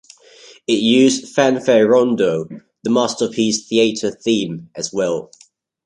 It used "Fanfare-Rondeau", the Masterpiece Theatre theme, as well.